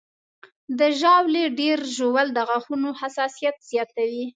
د ژاولې ډېر ژوول د غاښونو حساسیت زیاتوي.